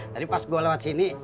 tadi pas gue lewat sini